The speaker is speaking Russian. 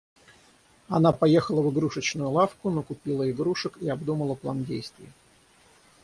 Она поехала в игрушечную лавку, накупила игрушек и обдумала план действий.